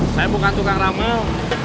saya bukan tukang ramah